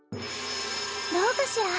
どうかしら？